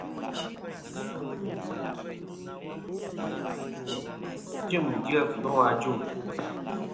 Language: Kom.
Tim dyef nô ajuŋ.